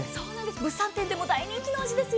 物産展でも大人気の味ですよ。